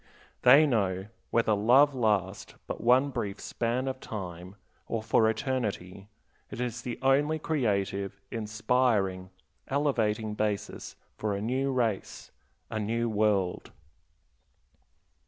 They know, whether love last but one brief span of time or for eternity, it is the only creative, inspiring, elevating basis for a new race, a new world.